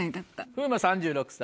風磨３６歳。